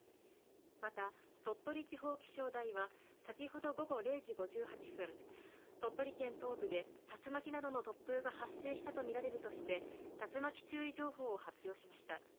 また鳥取地方気象台は先ほど午後０時５８分、鳥取県東部で竜巻などの突風が発生したと見られるとして竜巻注意情報を発表しました。